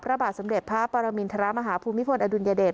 พระบาทสมเด็จพระปรมินทรมาฮภูมิพลอดุลยเดช